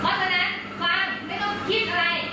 เพราะฉะนั้นฟังไม่ต้องคิดอะไร